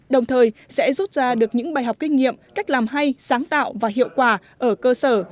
đồng thời sẽ rút ra được những bài học kinh nghiệm cách làm hay sáng tạo và hiệu quả ở cơ sở